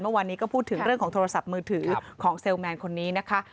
เมื่อวานนี้ก็พูดถึงเรื่องของโทรศัพท์มือถือของเซลแมนคนนี้นะคะ